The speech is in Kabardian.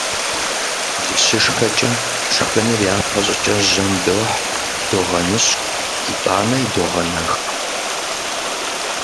ДыщышхэкӀэ, шхыныр япэ щӀыкӀэ жьэм дохь, догъэныщкӀу, итӀанэ идогъэнэх.